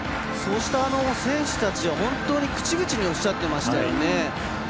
選手たちは本当に口々におっしゃっていました。